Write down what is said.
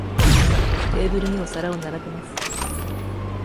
テーブルにお皿を並べます。